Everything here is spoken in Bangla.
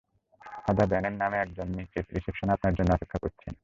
ফাদার ব্র্যানেন নামে একজন নিচে রিসেপশনে আপনার জন্য অপেক্ষা করছেন।